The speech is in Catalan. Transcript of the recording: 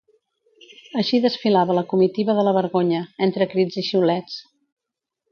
Així desfilava la comitiva de la vergonya, entre crits i xiulets.